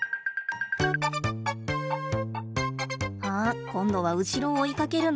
あっ今度は後ろを追いかけるの？